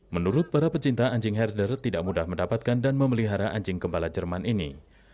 menurut para pecinta anjing herder tidak mudah mendapatkan dan memelihara anjing gembala jerman ini